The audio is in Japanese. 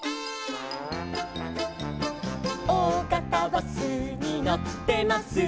「おおがたバスに乗ってます」